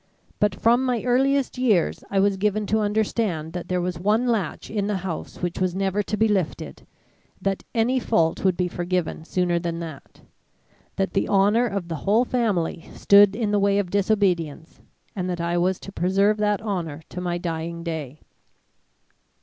But from my earliest years I was given to understand that there was one latch in the house which was never to be lifted; that any fault would be forgiven sooner than that; that the honour of the whole family stood in the way of disobedience, and that I was to preserve that honour to my dying day.